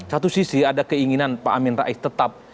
satu sisi ada keinginan pak amin rais tetap